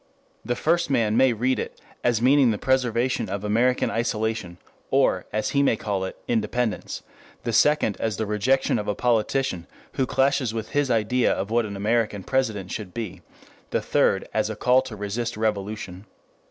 The first man may read it as meaning the preservation of American isolation, or as he may call it, independence; the second as the rejection of a politician who clashes with his idea of what an American president should be, the third as a call to resist revolution.